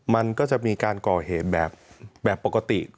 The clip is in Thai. มันก็จะมีการก่อเหตุแบบปกติ